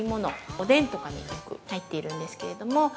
おでんとかによく入っているんですけれども。